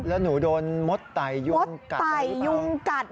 แล้วหนูโดนหมดไตยุงกัดอะไรพี่ขั้ง